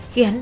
khi hắn đã